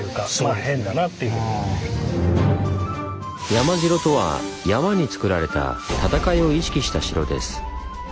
「山城」とは山につくられた戦いを意識した城です。